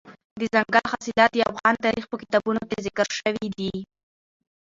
دځنګل حاصلات د افغان تاریخ په کتابونو کې ذکر شوي دي.